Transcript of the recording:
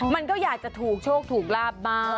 มันก็อยากจะถูกโชคถูกลาบบ้าง